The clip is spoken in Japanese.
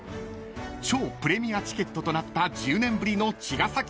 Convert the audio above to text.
［超プレミアチケットとなった１０年ぶりの茅ヶ崎ライブ］